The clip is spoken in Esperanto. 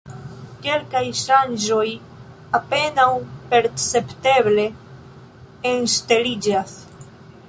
Kelkaj ŝanĝoj apenaŭ percepteble enŝteliĝas.